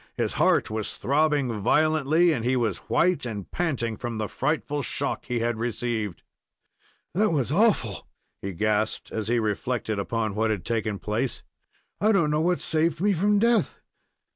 His heart was throbbing violently, and he was white and panting from the frightful shock he had received. "That was awful!" he gasped, as he reflected upon what had taken place. "I don't know what saved me from death!